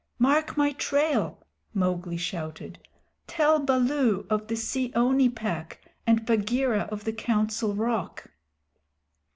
"Mark my trail!" Mowgli shouted. "Tell Baloo of the Seeonee Pack and Bagheera of the Council Rock."